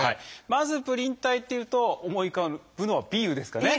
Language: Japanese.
まずプリン体っていうと思い浮かぶのはビールですかね。